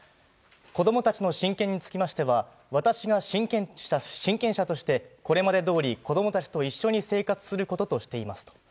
子どもたちの親権につきましては、私が親権者として、これまでどおり子どもたちと一緒に生活することとしていますと。